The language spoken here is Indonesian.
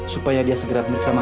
supaya dia segera mengeriksa mama